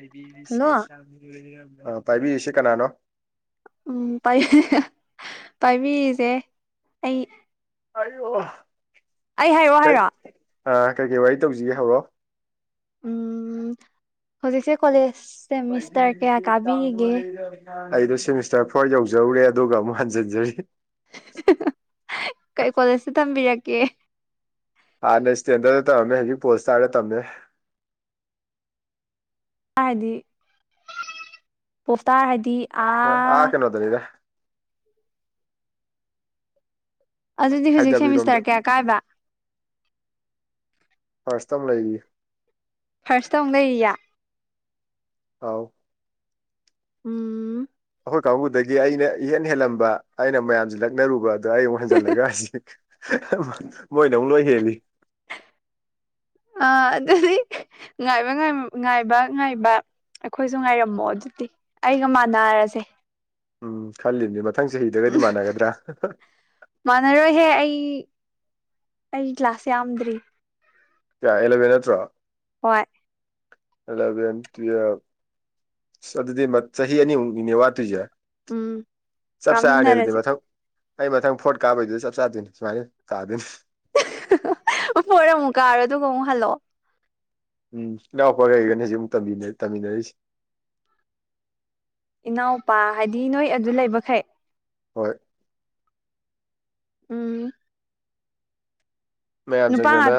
ꯑꯜꯗꯤꯁꯤ hello ꯑꯣꯏ ꯄꯥꯏꯕꯤꯔꯤꯁꯤ ꯀꯅꯥꯅꯣ ꯎꯝ ꯄꯥꯏ ꯄꯥꯏꯕꯤꯔꯤꯁꯦ ꯑꯩꯩ ꯑꯌꯣ ꯑꯩ ꯍꯥꯏꯔꯛꯑꯣ ꯍꯥꯏꯔꯛꯔ‌ꯣ ꯑ ꯀꯩ ꯀꯩ ꯋꯥꯔꯤ ꯇꯧꯁꯤꯒꯦ ꯍꯧꯔꯣ ꯎꯝ ꯍꯧꯖꯤꯛꯁꯦ ꯀꯣꯂꯦꯖ ꯁꯦꯃꯤꯁꯇꯔ ꯀꯌꯥ ꯀꯥꯕꯤꯔꯤꯒꯦ ꯑꯩꯗꯣ ꯁꯦꯃꯤꯁꯇꯔ ꯐꯣꯔ ꯌꯧꯖꯔꯨꯔꯦ ꯑꯗꯨꯒ ꯑꯃꯨꯛ ꯍꯟꯖꯤꯟꯖꯔꯤ ꯀꯩ ꯀꯣꯂꯦꯖꯇ ꯊꯝꯕꯤꯔꯛꯀꯦ ꯍꯥꯟꯅ ꯏꯁꯇꯦꯟꯗꯔꯗ ꯇꯃꯝꯃꯦ ꯍꯧꯖꯤꯛ ꯄꯣꯜ ꯏꯁꯇꯥꯔꯗ ꯇꯃꯦ ꯍꯥꯏꯗꯤ ꯄꯣꯞꯇꯥ ꯍꯥꯏꯗꯤ ꯍꯥ ꯑꯥ ꯀꯦꯅꯣ ꯗꯅꯤꯗ ꯑꯗꯨꯗꯤ ꯍꯧꯖꯤꯛ ꯍꯥꯏꯊꯕꯤꯔꯣꯝꯗ ꯁꯦꯃꯤꯁꯇꯔ ꯀꯌꯥ ꯀꯥꯏꯕ ꯐꯔꯁꯇꯝ ꯂꯩꯔꯤꯌꯦ ꯐꯥꯔꯁꯇ ꯑꯃꯨꯛ ꯂꯩꯔꯤꯌꯦ ꯑꯥꯎ ꯎꯝ ꯑꯩꯈꯣꯏ ꯀꯥꯡꯕꯨꯗꯒꯤ ꯑꯩꯅ ꯏꯍꯦꯟ ꯍꯦꯜꯂꯝꯕ ꯑꯩꯅ ꯃꯌꯥꯝꯁꯤ ꯂꯛꯅꯔꯨꯕ ꯑꯗꯣ ꯑꯩ ꯑꯃꯨꯛ ꯍꯟꯖꯜꯂꯒ ꯍꯧꯖꯤꯛ ꯃꯣꯏꯅ ꯑꯃꯨꯛ ꯂꯣꯏ ꯍꯦꯜꯂꯤ ꯑ ꯑꯗꯨꯗꯤ ꯉꯥꯏꯕ ꯉꯥꯏꯕ ꯉꯥꯏꯕ ꯑꯩꯈꯣꯏꯁꯨ ꯉꯥꯏꯔꯝꯃꯣ ꯑꯗꯨꯗꯤ ꯑꯩꯒ ꯃꯥꯟꯅꯔꯖꯦ ꯎꯝ ꯈꯜꯂꯤꯕꯅꯦ ꯃꯊꯪ ꯆꯍꯤꯗꯒꯗꯤ ꯎꯝ ꯃꯥꯟꯅꯒꯗ꯭ꯔ ꯃꯥꯟꯅꯔꯣꯏꯍꯦ ꯑꯩ ꯑꯩ ꯀ꯭ꯂꯥꯁ ꯌꯥꯝꯗ꯭ꯔꯤ ꯀꯌꯥ ꯑꯦꯂꯚꯦꯟ ꯅꯠꯇ꯭ꯔꯣ ꯍꯣꯏ ꯑꯂꯕꯦꯜ ꯇꯨꯌꯦꯜꯞ ꯑ ꯑꯗꯨꯗꯤ ꯆꯍꯤ ꯑꯅꯤꯃꯨꯛꯅꯤꯅꯦ ꯋꯥꯠꯇꯣꯏꯁꯦ ꯎꯝ ꯆꯞ ꯆꯥꯔꯅꯤ ꯑꯗꯨꯗꯤ ꯀꯥꯃꯤꯟꯅꯔꯁꯦ ꯃꯊꯪ ꯑꯩ ꯃꯊꯪ ꯐꯣꯔꯠ ꯀꯥꯕꯩꯗꯨꯗ ꯆꯞ ꯆꯥꯗꯣꯏꯅꯤ ꯁꯨꯃꯥꯏꯅ ꯇꯥꯗꯣꯏꯅꯤ ꯚꯣꯠ ꯑꯃꯨꯛ ꯀꯥꯔꯣ ꯑꯗꯨꯒ ꯑꯃꯨꯛ ꯍꯜꯂꯣ ꯎꯝ ꯏꯅꯥꯎꯄ ꯂꯩꯩꯒꯅꯤ ꯁꯤ ꯑꯃ ꯇꯝꯃꯤꯟꯅꯔꯤꯁꯦ ꯏꯅꯥꯎꯄꯥ ꯍꯥꯏꯗꯤ ꯅꯣꯏ ꯑꯗꯨ ꯂꯩꯕꯈꯩ ꯍꯣꯏ ꯎꯝ ꯃꯌꯥꯝ ꯅꯨꯄꯥ ꯉꯥꯛ ꯆꯪꯗꯅ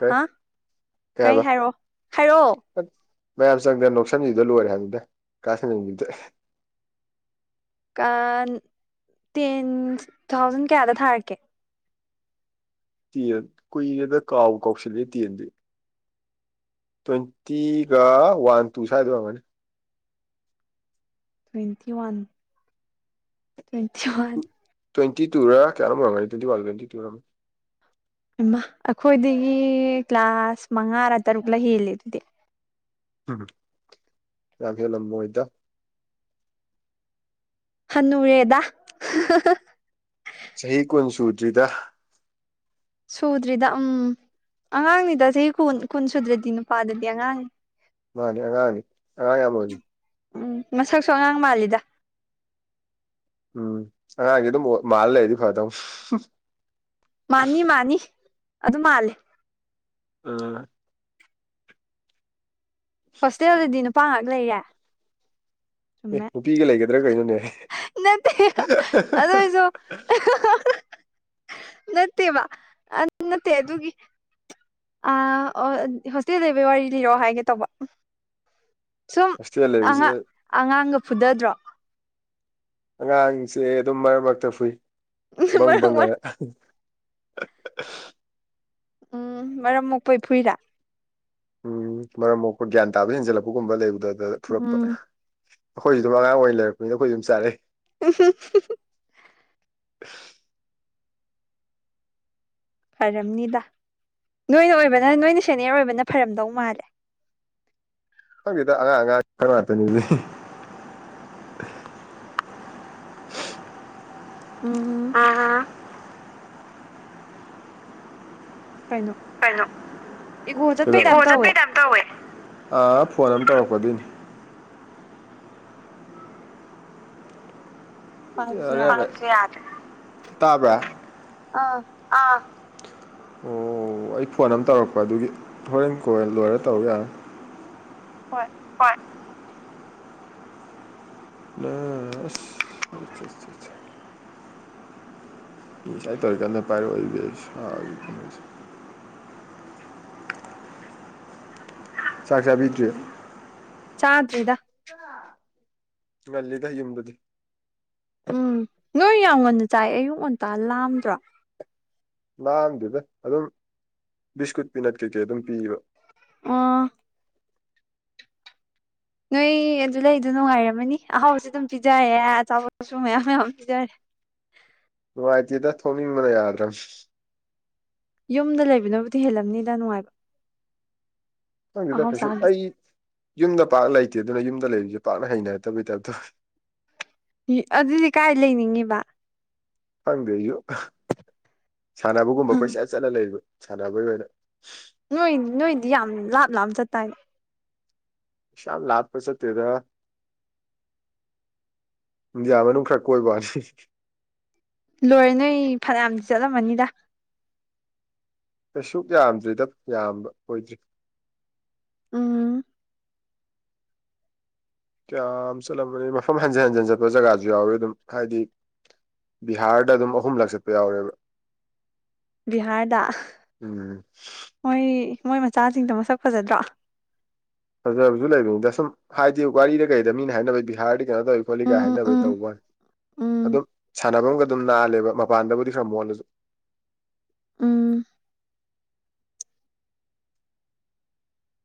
ꯀꯩ ꯍꯥ ꯀꯩ ꯍꯥꯏꯔꯣ ꯍꯥꯏꯔꯛꯑꯣ ꯃꯌꯥꯝ ꯆꯪꯗꯅ ꯅꯣꯛꯁꯟꯕꯤꯕꯗ ꯂꯣꯏꯔꯦ ꯍꯥꯏꯕꯗ ꯀꯥ ꯁꯟꯗ ꯇꯣꯛꯑꯦ ꯇꯦꯟ ꯊꯥꯎꯖꯟ ꯀꯌꯥꯗ ꯊꯥꯔꯛꯀꯦ ꯇꯦꯟ ꯀꯨꯏꯔꯦꯗ ꯀꯥꯎ ꯀꯥꯎꯁꯤꯜꯂꯤ ꯇꯦꯟꯗꯤ ꯇ꯭ꯋꯦꯟꯇꯤꯒ ꯋꯥꯟ ꯇꯨ ꯁ꯭ꯋꯥꯏꯗ ꯑꯣꯏꯔꯝꯒꯅꯤ ꯇ꯭ꯋꯦꯟꯇꯤ ꯋꯥꯟ ꯊ꯭ꯋꯦꯟꯇꯤꯋꯥꯟ ꯇ꯭ꯋꯦꯟꯇꯤꯇꯨꯔ ꯀꯌꯥꯅꯣ ꯑꯣꯢꯔꯝꯒꯅꯤ ꯇ꯭ꯋꯦꯟꯇꯤ ꯋꯥꯟ ꯂꯣ ꯇ꯭ꯋꯦꯟꯇꯤꯇꯨꯔ ꯏꯃ ꯑꯩꯈꯣꯏꯗꯒꯤ ꯀ꯭ꯂꯥꯁ ꯃꯉꯥꯔ ꯇꯔꯨꯛꯂ ꯍꯦꯜꯂꯦ ꯑꯗꯨꯗꯤ ꯎꯝ ꯌꯥꯝ ꯍꯂꯝꯃꯣ ꯑꯣꯏꯗ ꯍꯅꯨꯨꯔꯦꯗꯥ ꯆꯍꯤ ꯀꯨꯟ ꯁꯨꯗ꯭ꯔꯤꯗ ꯁꯨꯗ꯭ꯔꯤꯗ ꯎꯝ ꯑꯉꯥꯡꯅꯤꯗ ꯆꯍꯤ ꯀꯨꯟ ꯁꯨꯗ꯭ꯔꯗꯤ ꯅꯨꯄꯥꯗꯗꯤ ꯑꯉꯥꯡꯅꯤ ꯃꯥꯅꯦ ꯑꯉꯥꯡꯅꯤ ꯑꯉ ꯌꯥꯝꯃꯅꯤ ꯎꯝ ꯃꯁꯛꯁꯨ ꯑꯉꯥꯡ ꯃꯥꯜꯂꯤꯗ ꯎꯝ ꯑꯉꯥꯡꯁꯦ ꯑꯗꯨꯝ ꯃꯥꯜꯂ ꯂꯩꯔꯗꯤ ꯐꯗꯕ ꯃꯥꯅꯤ ꯃꯥꯅꯤ ꯑꯗꯨ ꯃꯥꯂꯦ ꯎ ꯍꯣꯁꯇꯦꯜꯗꯗꯤ ꯅꯨꯄꯥ ꯉꯥꯛ ꯂꯩꯌꯦ ꯑꯦ ꯃꯦ ꯅꯨꯄꯤꯒ ꯂꯩꯒꯗ꯭ꯔꯥ ꯀꯩꯅꯣꯅꯦ ꯅꯠꯇꯦ ꯑꯗꯣꯁꯨ ꯅꯠꯇꯦꯕ ꯅꯠꯇꯦ ꯑꯗꯨꯒꯤ ꯑ ꯍꯣꯁꯇꯦꯜꯗ ꯂꯩꯕꯩ ꯋꯥꯔꯤ ꯂꯤꯔꯣ ꯍꯥꯏꯒꯦ ꯇꯧꯕ ꯁꯨꯝ ꯍꯣꯁꯇꯦꯜ ꯂꯩꯕꯁꯤꯗ ꯑꯉꯥꯡꯒ ꯐꯨꯗꯗ꯭ꯔꯣ ꯑꯉꯥꯡꯁꯦ ꯑꯗꯨꯝ ꯃꯔꯛ ꯃꯔꯛꯇ ꯐꯨꯏ ꯕꯪ ꯃꯔꯛ ꯃꯔꯛ ꯕꯪꯑꯅ ꯎꯝ ꯃꯔꯝ ꯃꯣꯛꯄꯩ ꯐꯨꯏꯔ ꯎꯝ ꯃꯔꯝ ꯑꯣꯏꯄ ꯒ꯭ꯌꯥꯟ ꯇꯥꯕ ꯍꯦꯟꯖꯜꯂꯛꯄꯒꯨꯝꯕ ꯂꯩꯕꯗ ꯑꯗꯐꯨꯔꯛꯄ ꯎꯝ ꯑꯩꯈꯣꯏꯁꯨ ꯑꯗꯨꯝ ꯑꯉꯥꯡ ꯑꯣꯏꯅ ꯂꯩꯔꯛꯅꯤ ꯑꯩꯈꯣꯏ ꯑꯗꯨꯝ ꯆꯥꯔꯛꯏ ꯎ ꯐꯔꯝꯅꯤꯗ ꯅꯣꯏꯅ ꯑꯣꯏꯕꯅ ꯅꯣꯏꯅ ꯁꯦꯅꯤꯌꯔ ꯑꯣꯏꯕꯅ ꯐꯔꯝꯗꯧ ꯃꯥꯜꯂꯦ ꯈꯪꯗꯦꯗ ꯑꯉꯥꯡ ꯑꯉꯥꯡ ꯈꯔ ꯉꯥꯛꯇꯅꯤꯗꯤ ꯑꯝ ꯑ ꯀꯩꯅꯣ ꯏꯒꯣ ꯆꯠꯄꯩ ꯇꯥꯏꯞ ꯇꯧꯋꯦ ꯐꯣꯟ ꯑꯃ ꯇꯧꯔꯛꯄꯗꯣꯏꯅꯤ ꯄꯥꯏꯕꯁꯨ ꯌꯥꯔꯦ ꯌꯥꯗ꯭ꯔꯦ [unintelligible] ꯇꯥꯕ꯭ꯔ [unintelligible] ꯑꯥ ꯑꯣ ꯑꯩ ꯐꯣꯟ ꯑꯃ ꯇꯧꯔꯛꯄ ꯑꯗꯨꯒꯤ ꯍꯣꯔꯦꯟ ꯀꯣꯏ ꯂꯣꯏꯔ ꯇꯧ ꯌꯥꯅꯤ ꯍꯣꯏ [unintelligible] ꯥꯏ ꯇꯧꯔ ꯀ ꯄꯥꯏꯔ ꯋꯥ ꯆꯥꯛ ꯆꯥꯕꯤꯗ꯭ꯔꯤ ꯆꯥꯗ꯭ꯔꯤꯗ ꯉꯜꯂꯤꯗ ꯌꯨꯝꯗꯨꯗꯤ ꯎꯝ ꯅꯣꯏ ꯌꯥꯝ ꯉꯟꯅ ꯆꯥꯏ ꯑꯌꯨꯛ ꯉꯟꯇꯥ ꯂꯥꯝꯗ꯭ꯔꯣ ꯂꯍꯝꯗꯨꯗ ꯑꯗꯨꯝ ꯕꯤꯁꯀꯨꯠ ꯄꯤꯅꯠ ꯀꯩꯀꯩ ꯑꯗꯨꯝ ꯄꯤꯕ ꯑ ꯅꯣꯏ ꯑꯗꯨ ꯂꯩꯗꯣ ꯅꯨꯡꯉꯥꯏꯔꯝꯃꯅꯤ ꯑꯍꯥꯎꯁꯨ ꯑꯗꯨꯝ ꯄꯤꯖꯔꯦ ꯑꯆꯥꯄꯣ ꯑꯁꯨ ꯃꯌꯥꯝ ꯃꯌꯥꯝ ꯄꯤꯖꯔꯦ ꯅꯨꯡꯉꯥꯏꯇꯦꯗ ꯊꯣꯛꯅꯤꯡꯕꯅ ꯌꯥꯗ꯭ꯔꯝꯅꯤ ꯌꯨꯝꯗ ꯂꯩꯕꯅꯕꯨꯗꯤ ꯍꯦꯜꯂꯝꯅꯤꯗ ꯅꯨꯡꯉꯥꯏꯕ ꯈꯟꯗꯦꯗ ꯑꯍꯥꯎ ꯀꯩꯁꯨ ꯆꯥꯕꯁꯦ ꯑꯩ ꯌꯨꯝꯗ ꯄꯥꯛꯅ ꯂꯩꯇꯦ ꯑꯗꯨꯅ ꯌꯨꯝꯗ ꯂꯩꯔꯤꯁꯦ ꯄꯥꯛꯅ ꯍꯩꯅꯗꯕꯒꯤ ꯇꯥꯏꯞ ꯇꯧꯋꯦ ꯑꯗꯨꯗꯤ ꯀꯥꯏ ꯂꯩꯅꯤꯡꯉꯤꯕ ꯈꯣꯗꯦ ꯑꯩꯁꯨ ꯁꯥꯟꯅꯕꯒꯨꯝꯕ ꯀꯣꯏ ꯆꯠ ꯆꯠꯂ ꯂꯩꯕ ꯁꯥꯟꯅꯕꯒꯤ ꯑꯣꯏꯅ ꯅꯣꯏ ꯅꯣꯏꯗꯤ ꯌꯥꯝ ꯂꯥꯞ ꯂꯥꯞꯅ ꯆꯠꯇꯥꯥꯏꯅꯦ ꯁꯃ ꯂ ꯍꯥꯠ ꯄꯩꯁ ꯇꯗ ꯨꯏꯟꯗꯤꯌꯥ ꯃꯅꯨꯡ ꯈꯔ ꯀꯣꯏꯕꯩ ꯋꯥꯅꯤ ꯂꯣꯏꯔꯦ ꯅꯣꯏ ꯐꯅꯌꯥꯝꯗꯤ ꯆꯠꯂꯝꯃꯅꯤꯗ ꯀꯩꯁꯨ ꯌꯥꯝꯗ꯭ꯔꯤꯗ ꯌꯥꯝꯕ ꯑꯣꯏꯗ꯭ꯔꯤ ꯑꯥ ꯀꯌꯥꯝ ꯆꯠꯂꯝꯕꯅꯤ ꯃꯐꯝ ꯍꯟꯖꯤꯟ ꯍꯟꯖꯤꯟ ꯆꯠꯄ ꯖꯒꯥꯁꯨ ꯌꯥꯎꯋꯦ ꯑꯗꯨꯝ ꯍꯥꯏꯗꯤ ꯕꯤꯍꯥꯔꯗ ꯑꯗꯨꯝ ꯑꯍꯨꯝꯂꯥꯛ ꯆꯠꯄ ꯌꯥꯎꯔꯦꯕ ꯕꯤꯍꯥꯔꯗ ꯎꯝ ꯃꯣꯏ ꯃꯣꯏ ꯃꯆꯥꯁꯤꯡꯗꯣ ꯃꯁꯛ ꯐꯖꯗ꯭ꯔꯣ ꯐꯖꯕꯁꯨ ꯂꯩꯕꯅꯤꯗ ꯁꯨꯝ ꯍꯥꯏꯗꯤ ꯋꯥꯔꯤꯗ ꯀꯩꯗ ꯃꯤꯅ ꯍꯥꯏꯅꯕꯩ ꯕꯤꯍꯥꯔꯗꯤ ꯀꯩꯅꯣ ꯇꯧꯋꯤ ꯈꯣꯠꯂꯤꯒꯥꯏ ꯎꯝ ꯍꯥꯏꯅꯕꯩ ꯎꯝ ꯇꯧꯕ ꯋꯥꯅꯤ ꯎꯝ ꯑꯗꯨꯝ ꯁꯥꯟꯅꯐꯝꯒ ꯑꯗꯨꯝ ꯅꯥꯜꯂꯦꯕ ꯃꯄꯥꯟꯗꯕꯨꯗꯤ ꯈꯔ ꯃꯣꯠꯂꯖꯨ ꯎꯝ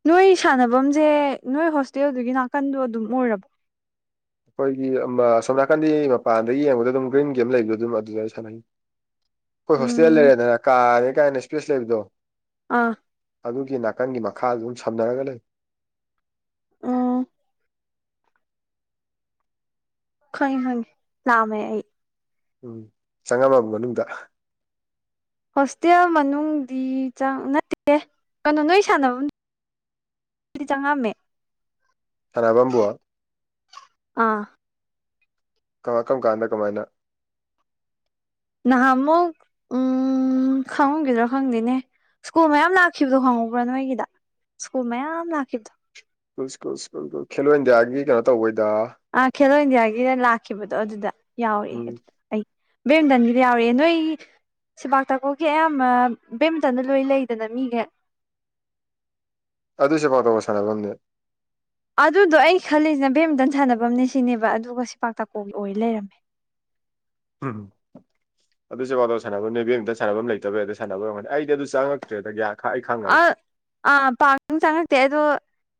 ꯅꯣꯏ ꯁꯥꯟꯅꯕꯝꯁꯦ ꯅꯣꯏ ꯍꯣꯁꯇꯦꯜꯗꯨꯒꯤ ꯅꯥꯀꯟꯗꯣ ꯑꯗꯨꯝ ꯑꯣꯏꯔꯛ ꯑꯩꯈꯣꯏꯒꯤ ꯎꯝ ꯑꯥ ꯁꯣꯝ ꯅꯥꯀꯟꯗꯤ ꯃꯄꯥꯟꯗ ꯌꯦꯡꯕꯗ ꯑꯗꯨꯝ ꯒ꯭ꯔꯤꯟ ꯒꯤ ꯑꯃ ꯂꯩꯕꯗꯣ ꯑꯗꯨꯝ ꯑꯗꯨꯗ ꯁꯥꯟꯅꯩ ꯑꯩꯈꯣꯏ ꯍꯣꯁꯇꯦꯜ ꯎꯝ ꯂꯩꯔꯦꯗꯅ ꯀꯥꯔꯦ ꯀꯥꯏꯅ ꯏꯁꯄꯦꯁ ꯂꯩꯕꯗꯣ ꯑꯥ ꯑꯗꯨꯒꯤ ꯅꯥꯀꯟꯒꯤ ꯃꯈꯥꯗꯗꯨꯝ ꯁꯝꯅꯔꯒ ꯂꯩꯅꯥꯔꯒꯥ ꯂꯩ ꯑ ꯈ ꯈꯪ ꯂꯃꯦ ꯎꯝ ꯆꯪꯉꯝꯃꯕ ꯃꯅꯨꯡꯗ ꯍꯣꯁꯇꯦꯜ ꯃꯅꯨꯡꯗꯤ ꯆꯥꯛ ꯅꯠꯇꯦ ꯀꯅꯣ ꯅꯣꯏ ꯁꯥꯟꯅꯕꯝ ꯗꯤ ꯆꯪꯉꯥꯝꯃꯦ ꯁꯥꯟꯅꯕꯝꯕꯨ ꯑꯥ ꯀꯃ ꯀꯔꯝ ꯀꯥꯟꯗ ꯀꯃꯥꯏꯅ ꯅꯍꯥꯟꯃꯨꯛ ꯎꯝ ꯈꯪꯉꯈꯤꯗ꯭ꯔꯣ ꯈꯪꯗꯦꯅꯦ ꯁ꯭ꯀꯨꯜ ꯃꯌꯥꯝ ꯂꯥꯛꯈꯤꯕꯗꯣ ꯈꯪꯍꯧꯕ꯭ꯔꯥ ꯅꯣꯏꯒꯤꯗ ꯁ꯭ꯀꯨꯜ ꯃꯌꯥꯝ ꯂꯥꯛꯈꯤꯕꯗꯣ ꯁꯀ꯭ꯨꯜ ꯁꯀ꯭ꯨꯜ ꯁꯀ꯭ꯨꯜ ꯀꯨꯜ ꯈꯦꯂꯣꯏꯟꯗꯤꯌꯥꯒꯤ ꯀꯩꯅꯣ ꯇꯧꯕꯩꯗ ꯑ ꯈꯦꯂꯣ ꯏꯟꯗꯤꯌꯥꯒꯤꯅ ꯂꯥꯛꯈꯤꯕꯗꯣ ꯑꯗꯨꯗ ꯌꯥꯎꯑꯦ ꯎꯝ ꯑꯗꯨꯗ ꯑꯩ ꯕꯦꯠꯃꯤꯟꯇꯟꯒꯤꯗ ꯌꯥꯎꯔꯛꯑꯦ ꯅꯣꯏ ꯁꯤꯕꯥꯛꯇꯀꯨꯒꯤ ꯑꯌꯥꯝꯕ ꯕꯦꯠꯃꯤꯟꯇꯟꯗ ꯂꯣꯏ ꯂꯩꯗꯅ ꯃꯤꯒꯩ ꯑꯗꯨ ꯁꯦꯄꯥꯛ ꯇꯀꯣ ꯁꯥꯟꯅꯕꯝꯅꯦ ꯑꯗꯨꯗꯣ ꯑꯩ ꯈꯜꯂꯤꯁꯤꯅ ꯕꯦꯠꯃꯤꯟꯇꯟ ꯁꯥꯟꯅꯕꯝꯅꯦ ꯁꯤꯅꯦꯕ ꯑꯗꯨꯒ ꯁꯤ ꯄꯥꯛꯇꯥꯀꯨꯒꯤ ꯑꯣꯏ ꯂꯩꯔꯝꯃꯦ ꯎꯝ ꯑꯗꯨꯁꯨ ꯁꯦꯄꯛꯇꯀꯨ ꯁꯥꯟꯅꯕꯝꯅꯦ ꯕꯦꯠꯃꯤꯟꯇꯣꯟ ꯁꯥꯟꯕꯝ ꯂꯩꯇꯕꯩ ꯑꯗ ꯁꯥꯟꯅꯕ ꯑꯣꯏꯔꯝꯒꯅꯤ ꯑꯩꯗꯤ ꯑꯗꯨ ꯆꯥꯉꯛ [unintelligible] ꯑꯩ ꯈꯪꯉꯔꯣ ꯑ ꯄꯛ ꯆꯥꯉꯛꯇꯦ ꯑꯗꯨ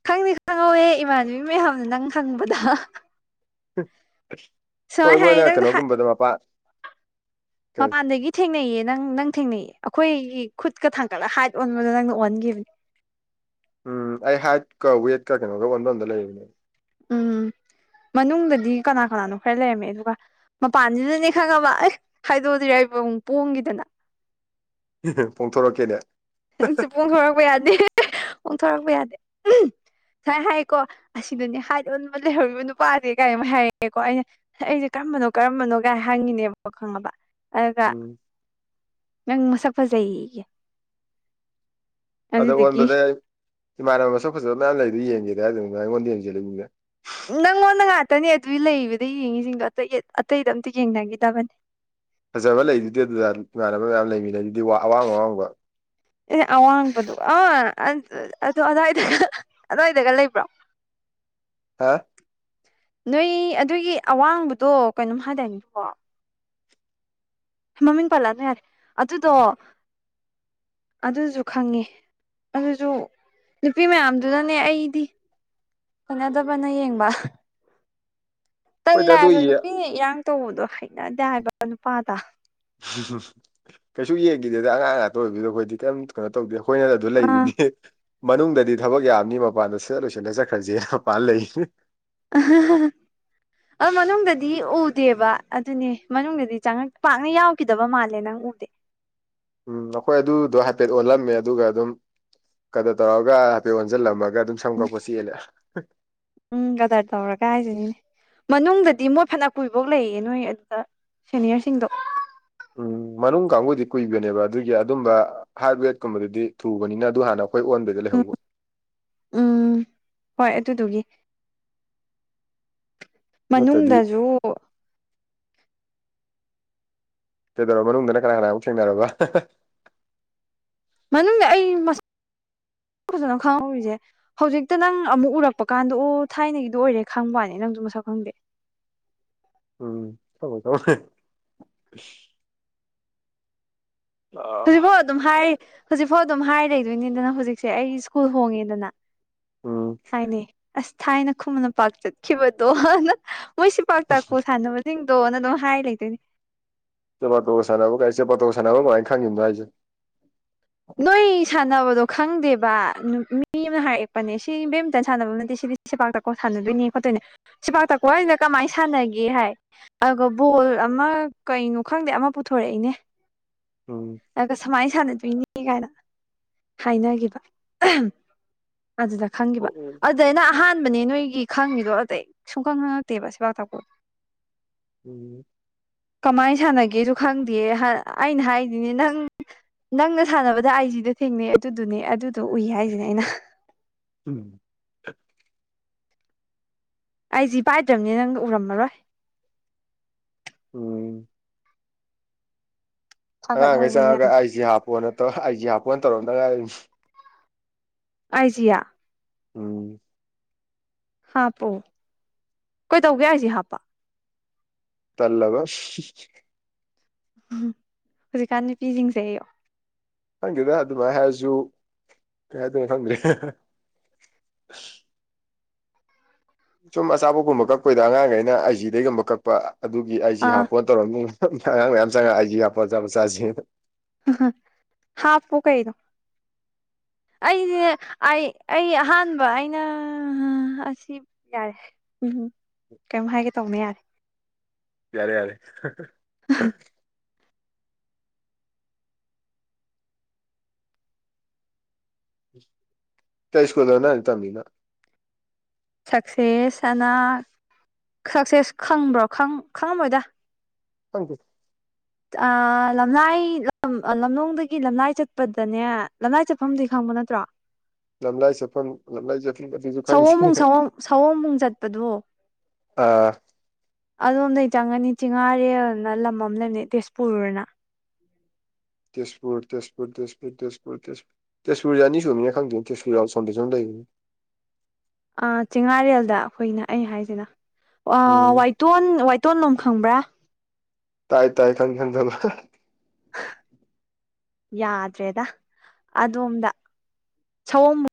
ꯈꯪꯗꯤ ꯈꯪꯍꯧꯋꯦꯍꯦ ꯏꯃꯥꯟꯅꯕꯤ ꯃꯌꯥꯝꯅ ꯅꯪ ꯍꯪꯕꯗ ꯍꯣꯏ ꯁꯨꯃꯥꯏꯅ ꯍꯥꯏꯌꯦ ꯃꯣꯏꯅ ꯅꯪ ꯀꯩꯅꯣꯒꯨꯝꯕꯗꯣ ꯃꯄꯥ ꯀꯩ ꯃꯄꯥꯟꯗꯒꯤ ꯊꯦꯡꯅꯩꯌꯦ ꯅꯪ ꯅꯪ ꯊꯦꯡꯅꯩꯌꯦ ꯑꯩꯈꯣꯏꯒꯤ ꯈꯨꯠꯀ ꯊꯥꯡꯀꯠꯂ ꯍꯥꯏꯠ ꯑꯣꯟꯕꯗꯣ ꯅꯪꯅ ꯑꯣꯟꯒꯤꯕꯅꯦ ꯎꯝ ꯑꯩ ꯍꯥꯏꯠꯀ ꯋꯦꯠꯀ ꯀꯩꯅꯣꯒ ꯑꯣꯟꯕꯝꯗ ꯂꯩꯕꯅꯦ ꯎꯝ ꯃꯅꯨꯡꯗꯗꯤ ꯀꯅꯥ ꯀꯅꯥꯅꯣ ꯈꯔ ꯂꯩꯔꯝꯃꯦ ꯑꯗꯨꯒ ꯃꯄꯥꯟꯖꯤꯗꯅꯦ ꯈꯪꯉꯕ ꯑꯦ ꯍꯥꯏꯗꯣꯛꯑꯖꯤꯔ ꯑꯩꯕꯨ ꯑꯃꯨꯛ ꯄꯣꯡꯒꯤꯗꯅ ꯄꯣꯡꯊꯣꯔꯛꯀꯦꯅꯦ ꯄꯣꯡꯊꯣꯔꯛꯄ ꯌꯥꯗꯦ ꯄꯣꯡꯊꯣꯔꯛꯄ ꯌꯥꯗꯦ ꯁꯥꯢ ꯍꯥꯏꯀꯣ ꯑꯁꯤꯗꯅꯦ ꯍꯥꯏꯠ ꯑꯣꯟꯕ ꯂꯩꯍꯧꯔꯤꯕ ꯅꯨꯄꯥꯖꯦ ꯀꯥꯏꯅ ꯃꯣꯏ ꯍꯥꯏꯔꯛꯑꯦꯀꯣ ꯑꯩꯅ ꯑꯩꯁ ꯀꯔꯝꯕꯅꯣ ꯀꯔꯝꯕꯅꯣꯒꯥꯏ ꯍꯪꯉꯤꯅꯦꯕꯀꯣ ꯈꯪꯉꯕ ꯑꯗꯨꯒ ꯎꯝ ꯅꯪ ꯃꯁꯛ ꯐꯖꯩꯌꯦꯌꯦ ꯑꯗ ꯑꯗꯨꯗꯨꯒꯤ ꯑꯣꯟꯕꯗ ꯏꯃꯥꯟꯅꯕ ꯃꯁꯛ ꯐꯖꯕ ꯃꯌꯥꯝ ꯂꯩꯗꯨ ꯌꯦꯡꯒꯦꯗꯤ ꯍꯥꯏꯗꯗꯅ ꯅꯪ ꯑꯩꯉꯣꯟꯗ ꯌꯦꯡꯖꯤꯜꯂꯛꯏꯅꯤꯅꯦ ꯅꯪꯉꯣꯟꯗ ꯉꯥꯛꯇꯅꯦ ꯑꯗꯨꯏ ꯂꯩꯔꯤꯕꯗꯩꯩ ꯌꯦꯡꯉꯤꯖꯤꯡꯗꯣ ꯑꯇꯩ ꯑꯇꯩꯗ ꯑꯝꯇ ꯌꯦꯡꯅꯒꯤꯗꯕꯅꯦ ꯐꯖꯕ ꯂꯩꯗꯨꯗꯤ ꯑꯗꯨꯗ ꯏꯃꯥꯟꯅꯕ ꯃꯌꯥꯝ ꯂꯩꯃꯤꯟꯅꯩꯗꯨꯗꯤ ꯋꯥ ꯑꯋꯥꯡ ꯑꯋꯥꯡꯕ ꯑꯦ ꯑꯋꯥꯡꯕꯗꯨ ꯑꯥ ꯑꯗꯨ ꯑꯗꯥꯥꯋꯏꯗꯒ ꯑꯗꯨꯋꯥꯏꯗꯒ ꯂꯩꯕ꯭ꯔꯣ ꯍꯥ ꯅꯣꯏ ꯑꯗꯨꯒꯤ ꯑꯋꯥꯡꯕꯗꯣ ꯀꯩꯅꯣꯝ ꯍꯥꯏꯗꯥꯅꯦꯀꯣ ꯃꯃꯤꯡ ꯄꯜꯠꯂꯛꯑꯅꯣ ꯌꯥꯔꯦ ꯑꯗꯨꯗꯣ ꯑꯗꯨꯁꯨ ꯈꯪꯉꯦ ꯑꯗꯨꯁꯨ ꯅꯨꯄꯤ ꯃꯌꯥꯝꯗꯨꯅꯅꯦ ꯑꯩꯗꯤ ꯎꯅꯗꯕꯅ ꯌꯦꯡꯕ ꯇꯜꯂꯦ ꯍꯣꯏꯗ ꯑꯗꯨ ꯍꯥꯏꯕ ꯌꯦ ꯅꯨꯄꯤꯅ ꯏꯔꯥꯡ ꯇꯧꯕꯗꯣ ꯍꯩꯅꯗꯦ ꯍꯥꯏꯕ ꯅꯨꯄꯥꯗ ꯀꯩꯁꯨ ꯌꯦꯡꯒꯤꯗꯦꯗ ꯑꯉꯥꯡ ꯉꯥꯛꯇ ꯑꯣꯏꯕꯗꯨꯗ ꯑꯩꯈꯣꯏꯗꯤ ꯀꯩꯝꯇ ꯀꯩꯅꯣ ꯇꯧꯗꯦ ꯑꯈꯣꯏꯅ ꯑꯗꯨ ꯑꯥ ꯂꯩꯗꯨꯗꯤ꯫ ꯃꯅꯨꯡꯗꯗꯤ ꯊꯕꯛ ꯌꯥꯝꯅꯤ ꯃꯄꯥꯟꯗ ꯁꯠ ꯂꯣꯏꯁꯜꯂ ꯆꯠꯈ꯭ꯔꯁꯦ ꯃꯄꯥꯟ ꯂꯩ꯫ ꯑꯍꯍ ꯑ ꯃꯅꯨꯡꯗꯗꯤ ꯎꯗꯦꯕꯥ꯫ ꯑꯗꯨꯅꯤ ꯃꯅꯨꯡꯗꯗꯤ ꯆꯪꯉꯛ ꯄꯥꯛꯅ ꯌꯥꯎꯈꯤꯗꯕ ꯃꯥꯜꯂꯦ ꯅꯪ ꯑꫭꯛꯇꯤ꯫ ꯎꯝ ꯑꯈꯣꯏ ꯑꯗꯨꯗꯣ ꯍꯥꯏꯐꯦꯠ ꯑꯣꯜꯂꯝꯃꯦ ꯑꯗꯨꯒ ꯑꯗꯨꯝ ꯀꯩꯅꯣ ꯇꯧꯔꯒ ꯍꯥꯏꯐꯦꯠ ꯑꯣꯟꯁꯤꯜꯂꯝꯃꯒ ꯑꯗꯨꯝ ꯁꯝ ꯎꯝ ꯀꯛꯄ ꯆꯦꯜꯂꯦ꯫ ꯎꯝ ꯀꯥꯗꯔ ꯇꯧꯔꯒ ꯍꯥꯏꯁꯤꯅꯤ꯫ ꯃꯅꯨꯡꯗꯗꯤ ꯃꯣꯏ ꯐꯅ ꯀꯨꯏꯕꯨꯛ ꯂꯩꯌꯦ ꯅꯣꯏ ꯑꯗꯨꯗ ꯁꯦꯅꯤꯌꯔꯁꯤꯡꯗꯣ꯫ ꯎꯝ ꯃꯅꯨꯡ ꯀꯥꯡꯕꯨꯗꯤ ꯀꯨꯏꯕꯅꯦꯕ ꯑꯗꯨꯒꯤ ꯑꯗꯨꯝꯕ ꯍꯥꯏꯠ ꯋꯦꯠꯀꯨꯝꯕꯗꯨꯗꯤ ꯊꯨꯕꯅꯤꯅ ꯑꯗꯨ ꯍꯥꯟꯅ ꯑꯩꯈꯣꯏ ꯑꯣꯟꯕꯩꯗ ꯎꯝ ꯂꯩꯍꯧꯕ ꯎꯝ ꯍꯣꯏ ꯑꯗꯨꯗꯨꯒꯤ ꯅꯠꯇ꯭ꯔꯗꯤ ꯃꯅꯨꯡꯗꯖꯨ ꯀꯗꯧꯔꯕ ꯃꯅꯨꯡꯗꯅ ꯀꯅꯥ ꯀꯅꯥ ꯑꯃꯨꯛ ꯊꯦꯡꯅꯔꯕ ꯃꯅꯨꯡꯗ ꯑꯩ ꯃꯁꯛ ꯐꯖꯅ ꯈꯪꯍꯧꯔꯤꯖꯦ ꯍꯧꯖꯤꯛꯇ ꯅꯪ ꯑꯃꯨꯛ ꯎꯔꯛꯄ ꯀꯥꯟꯗ ꯑꯣ ꯊꯥꯏꯅꯒꯤꯗꯣ ꯑꯣꯏꯔꯦ ꯈꯪꯕꯋꯥꯅꯦ ꯅꯪꯖꯨ ꯃꯁꯛ ꯈꯪꯗꯦ [unintelligible] ꯑ ꯍꯧꯖꯤꯛꯐꯥꯎ ꯑꯗꯨꯝ ꯍꯥꯏꯔꯤ ꯍꯧꯖꯤꯛꯐꯥꯎ ꯑꯗꯨꯝ ꯍꯥꯏ ꯂꯩꯗꯣꯏꯅꯤꯗꯅ ꯍꯧꯖꯤꯛꯁꯦ ꯑꯩ ꯁ꯭ꯀꯨꯜ ꯍꯣꯡꯉꯤꯗꯅ꯫ ꯎꯝ ꯍꯥꯏꯅꯩ ꯑꯁ ꯊꯥꯏꯅ ꯈꯨꯃꯟ ꯂꯝꯄꯥꯛ ꯆꯠꯈꯤꯕꯗꯣ ꯑꯅ꯫ ꯃꯣꯏ ꯁꯤꯄꯥꯛꯇꯥꯛꯀꯣ ꯁꯥꯟꯅꯕꯁꯤꯡꯗꯣꯅ ꯑꯗꯨꯝ ꯍꯥꯏ ꯂꯩꯗꯣꯏꯅꯦ꯫ ꯁꯦꯄꯇꯣ ꯁꯥꯟꯅꯕ ꯀꯥꯏ ꯁꯦꯄꯥꯇꫭ ꯁꯥꯟꯅꯕ ꯀꯃꯥꯏ ꯈꯪꯉꯤꯅꯣ ꯍꯥꯏꯁꯦ꯫ ꯅꯣꯏ ꯁꯥꯟꯅꯕꯗꯣ ꯈꯪꯗꯦꯕꯥ ꯅꯨ ꯃꯤ ꯑꯃꯅ ꯍꯥꯏꯔꯛꯄꯅꯦ ꯁꯤ ꯕꯦꯠꯃꯤꯟꯇꯟ ꯁꯥꯟꯅꯕꯝ ꯅꯠꯇꯦ ꯁꯤꯗꯤ ꯁꯦꯄꯥꯛꯇꯥꯀꯣ ꯁꯥꯟꯅꯗꯣꯏꯅꯦ ꯈꯣꯠꯇꯣꯏꯅꯦ ꯁꯦꯄꯥꯛꯇꯥꯀꯣ ꯍꯥꯏꯅ ꯀꯃꯥꯏ ꯁꯥꯟꯅꯒꯦ ꯍꯥꯏ꯫ ꯑꯗꯨꯒ ꯕꯣꯜ ꯑꯃ ꯀꯩꯅꯣ ꯈꯪꯗꯦ ꯑꯃ ꯄꯨꯊꯣꯔꯛꯏꯅꯦ꯫ ꯎꯝ ꯑꯒ ꯁꯨꯃꯥꯏ ꯁꯥꯟꯅꯗꯨꯏꯅꯤ ꯀꯥꯏꯅ ꯍꯥꯏꯅꯒꯤꯕ ꯑꯍꯝ ꯑꯗꯨꯗ ꯈꯪꯒꯤꯕ ꯑ ꯎꯝ ꯑꯗ ꯑꯩꯅ ꯑꯍꯥꯟꯕꯅꯦ ꯅꯣꯏꯒꯤ ꯈꯪꯉꯤꯗꯣ ꯑꯇꯩ ꯁꯨꯡꯈꯪ ꯈꯪꯉꯛꯇꯦꯕ ꯁꯦꯄꯥꯛꯇꯥꯀꯣ꯫ ꯎꯝ [unintelligible] ꯀꯃꯥꯏ ꯁꯥꯟꯅꯒꯦꯁꯨ ꯈꯪꯗꯦ ꯍ ꯑꯩꯅ ꯍꯥꯏꯗꯤꯅꯦ ꯅꯪ ꯅꯪꯅ ꯁꯥꯟꯅꯕꯗ ꯑꯩꯖꯤꯗ ꯊꯦꯡꯅꯩ ꯑꯗꯨꯗꯨꯅꯦ ꯑꯗꯨꯗꯣ ꯎꯏ ꯍꯥꯏꯖꯤꯅꯦ ꯑꯩꯅ꯫ ꯎꯝ꯫ ꯑꯥꯢꯖꯤ ꯄꯥꯏꯗ꯭ꯔꯝꯅꯤꯅ ꯅꯪꯗꫭ ꯎꯔꯝꯑꯔꯣꯏ꯫ ꯎꯝ ꯑꯉꯥꯡꯒꯩ ꯊꯥꯒꯠꯍꯧꯕꯅꯦ ꯆꯪꯉꯛꯑꯒ ꯌꯥꯝ ꯑꯥꯢꯖꯤ ꯍꯥꯞꯄꯣꯅ ꯇꯧ ꯑꯥꯏꯖꯤ ꯍꯥꯄꯣꯟ ꯇꯧꯔꯝꯗꯉꯥꯏꯔꯤꯝ꯫ ꯑꯥꯏꯖꯤꯌꯥ꯫ ꯎꯝ꯫ ꯍꯥꯞꯄꯑꯣ ꯀꯩꯗꯩꯒꯦ ꯍꯥꯏꯁꯤ ꯍꯥꯞꯄ꯫ ꯇꯜꯂꯕ꯫ ꯎꯝ ꯍꯨꯖꯤꯛꯀꯥꯟ ꯅꯨꯄꯤꯁꯤꯡꯁꯦ ꯑꯦꯌꯣ꯫ ꯈꯪꯗꯦꯗ ꯑꯗꯨꯃꯥꯏ ꯍꯥꯏꯔꯁꯨ ꯀꯩ ꯍꯥꯏꯗꯣꯏꯅꯣ ꯈꯪꯗ꯭ꯔꯦ ꯍꯍ꯫ ꯁꯨꯝ ꯑꯆꯥꯄꯣꯠꯀꯨꯝꯕ ꯀꯛꯄꯩꯗ ꯑꯉꯥꯡꯈꯩꯅ ꯑꯩ ꯖꯤꯗꯩꯒꯨꯝꯕ ꯀꯛꯄ ꯑꯗꯨꯒꯤ ꯑꯩ ꯖꯤ ꯑꯥ ꯍꯥꯞꯄꯣꯟ ꯇꯧꯔꯝꯃꯤ ꯑꯉꯥꯡ ꯃꯌꯥꯝ ꯆꯪꯉ ꯑꯥꯏꯖꯤ ꯍꯥꯞꯄꯣ ꯑꯆꯥꯄꯣꯠ ꯆꯥꯖꯦꯅ꯫ ꯍꯥꯞꯄꯨ ꯀꯩꯅꯣ꯫ ꯑꯩꯁꯦ ꯑꯩ ꯑꯩ ꯑꯍꯥꯟꯕ ꯑꯩꯅꯥ ꯑꯁꯤ ꯌꯥꯔꯦ ꯎꯝꯍꯨꯝ ꯀꯩꯝ ꯍꯥꯏꯒꯦ ꯇꯧꯅꯦ ꯌꯥꯔꯦ꯫ ꯌꯥꯔꯦ-ꯌꯥꯔꯦ꯫ ꯀꯩ ꯁ꯭ꯀꯨꯜꯗꯅ ꯇꯝꯃꯤꯅꫭ꯫ ꯁꯛꯁꯦꯁ ꯑꯅ ꯁꯛꯁꯦꯁ ꯈꯪꯕ꯭ꯔꯣ ꯈꯪ ꯈꯪꯉꯃꯣꯏꯗ꯫ [unintelligible] ꯇ ꯑꯏ ꯂꯝꯂꯥꯏ ꯂꯝ ꯑ ꯂꯝꯂꯣꯡꯗꯒꯤ ꯂꯝꯂꯥꯏ ꯆꯠꯄꯗꯅꯦ ꯂꯝꯂꯥꯏ ꯆꯠꯐꯝꯗꯤ ꯈꯪꯕ ꯅꯠꯇ꯭ꯔꯣ꯫ ꯂꯝꯂꯥꯏ ꯆꯠꯐꯝ ꯂꯝꯂꯥꯏ ꯖ ꯁꯋꯣꯕꯨꯡ ꯁꯋꫭꯝ ꯁꯋꯣꯝꯕꯨꯡ ꯆꯠꯄꯗꯣ꯫ ꯑꯥ ꯑꯗꯣꯝꯗꯩ ꯆꯪꯉꯅꯤ ꯆꯤꯡꯉꯥꯔꯦꯜꯅ ꯂꯝ ꯑꯝ ꯂꯩꯝꯅꯦ ꯇꯦꯖꯄꯨꯔ ꯑꯅ ꯇꯦꯁꯄꯨꯔ ꯇꯦꯁꯄꯨꯔ ꯇꯦꯁꯄꯨꯔ ꯇꯦꯁꯄꯨꯔ ꯇꯦꯁꯄꯨꯔ ꯇꯦꯁꯄꯨꯔꯖꯦ ꯑꯅꯤ ꯁꯨꯕꯅꯤꯅ ꯈꯪꯗꯦꯅꯦ ꯇꯦꯁꯄꯨꯔ ꯌꯥꯝ ꯑꯁꯣꯝꯗꯖꯨ ꯑꯝ ꯂꯩꯕꯅꯤꯅꯦ ꯆꯦꯡꯉꯥꯔꯦꯜꯗ ꯑꯩꯈꯣꯏꯅ ꯑꯩ ꯍꯥꯏꯁꯤꯅ ꯎꯝ ꯇꯣꯟ ꯋꯥꯏꯇꯣꯟꯂꯣꯝ ꯈꯪꯕ꯭ꯔꯥ ꯇꯥꯏ ꯇꯥꯏ ꯀꯟ ꯀꯂ ꯌꯥꯗ꯭ꯔꯦꯗ ꯑꯗꯣꯝꯗ ꯁꯑꯣꯝꯃꯨ